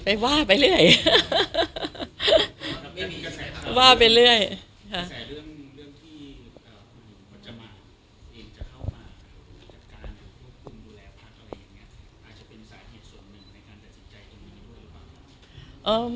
คุณหญิงจะอาจจะตั้งทั้งการอยู่หรือเปล่า